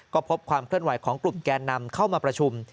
ก็พบความเคลื่อนไหวของกลุ่มแกนนำเข้ามาประชุม